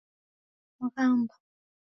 Mghamba